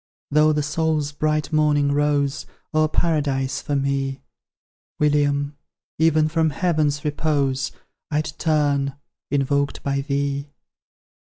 Though the soul's bright morning rose O'er Paradise for me, William! even from Heaven's repose I'd turn, invoked by thee!